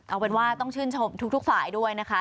เอาเป็นว่าต้องชื่นชมทุกฝ่ายด้วยนะคะ